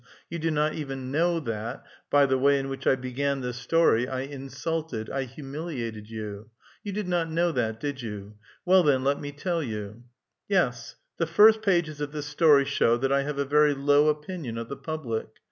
You do not even know that, by the way in which I began this story, I insulted, I humiliated you. You did not know that, did you? Well, then, let me tell you !" Yes, the fii*st pages of this story show that I have a very low opinion of the public.